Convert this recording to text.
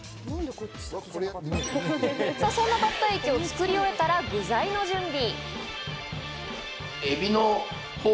さぁ、そんなバッター液を作り終えたら具材の準備。